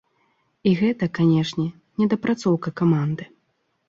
І гэта, канешне, недапрацоўка каманды.